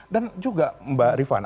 dan juga mbak rifan